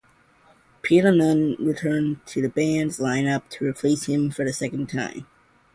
Peter Nunn returned to the band's line-up to replace him for the second time.